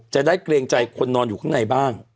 เกรงใจคนนอนอยู่ข้างในบ้าง